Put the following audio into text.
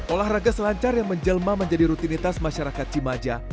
olahraga selancar yang menjelma menjadi rutinitas masyarakat cimaja